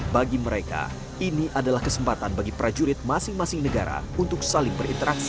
bagi mereka ini adalah kesempatan bagi prajurit masing masing negara untuk saling berinteraksi